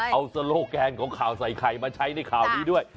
เอาโซโลแกนของข่าวใส่ไข่มาใช้ในข่าวนี้ด้วย